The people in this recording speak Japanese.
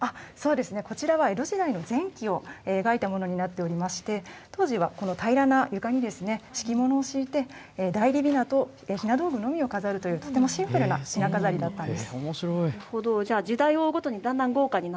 こちらは江戸時代の前期を描いたものになっておりまして当時は平らな床に敷物を敷いて内裏びなとひなびょうぶのみを飾るシンプルな飾りだったんです。